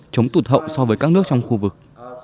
chống tụt hậu so với các nước trong khu vực